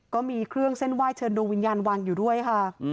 ก็มีเครื่องเส้นไหว้เชิญดวงวิญญาณวางอยู่ด้วยค่ะ